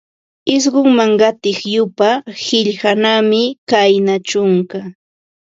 Isqunman qatiq yupa, qillqanmi kayna: chunka